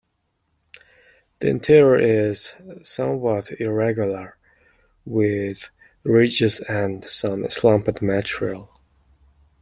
The interior is somewhat irregular, with ridges and some slumped material.